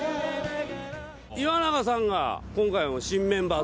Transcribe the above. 岩永さんが今回の新メンバーとして。